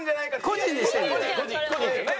個人ですよね。